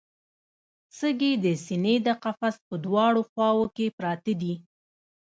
سږي د سینې د قفس په دواړو خواوو کې پراته دي